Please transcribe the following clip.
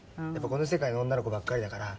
「この世界の女の子ばっかりだから」